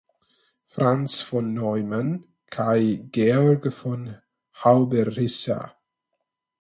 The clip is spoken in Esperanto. Franz von Neumann kaj Georg von Hauberrisser.